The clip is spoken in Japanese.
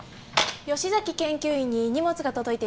吉崎研究員に荷物が届いています。